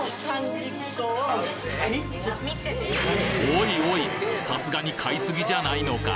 おいおいさすがに買いすぎじゃないのか！